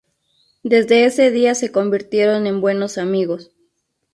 Desde ese día se convirtieron en buenos amigos.